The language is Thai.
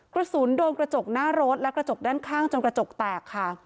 กระสุนโดนกระจกหน้ารถและกระจกด้านข้างจนกระจกแตกค่ะ